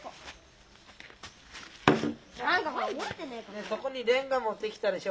ねえそこにレンガ持ってきたでしょ？